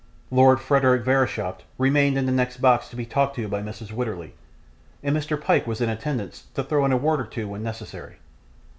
Lord Frederick Verisopht remained in the next box to be talked to by Mrs Wititterly, and Mr. Pyke was in attendance to throw in a word or two when necessary.